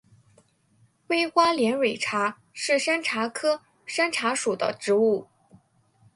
微花连蕊茶是山茶科山茶属的植物。